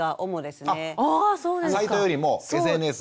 サイトよりもＳＮＳ。